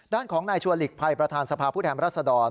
ด้านของนายชัวร์หลีกภัยประธานสภาพผู้แทนรัศดร